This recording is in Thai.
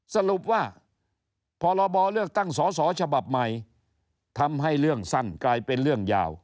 สรุปว่าพรบเลือกตั้งสอสอฉบับใหม่ทำให้เรื่องสั้นกลายเป็นเรื่องยาว